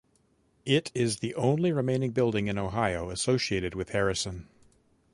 It is the only remaining building in Ohio associated with Harrison.